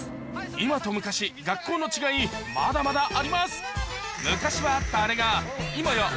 今と昔学校の違いまだまだあります